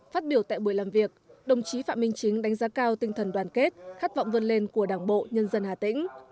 phát biểu tại buổi làm việc đồng chí phạm minh chính đánh giá cao tinh thần đoàn kết khát vọng vươn lên của đảng bộ nhân dân hà tĩnh